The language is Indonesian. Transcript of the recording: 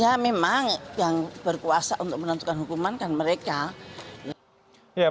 ya memang yang berkuasa untuk menentukan hukuman kan mereka